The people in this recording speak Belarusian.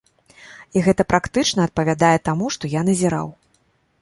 І гэта практычна адпавядае таму, што я назіраў.